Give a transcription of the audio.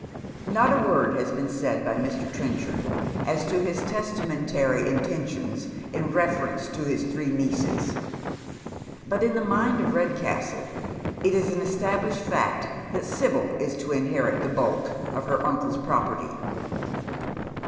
Not a word has been said by Mr. Trenchard as to his testa mentary intentions in reference to his three nieces, but in the mind of Redcastle it is an established fact that Sibyl is to inherit the bulk of her uncle's property.